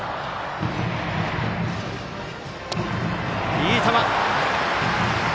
いい球。